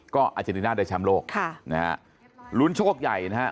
ก็อาจารย์ดีน่าได้ช้ำโลกรุ้นโชคใหญ่นะฮะ